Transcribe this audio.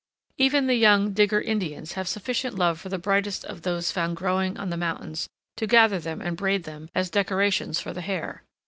Even the young Digger Indians have sufficient love for the brightest of those found growing on the mountains to gather them and braid them, as decorations for the hair.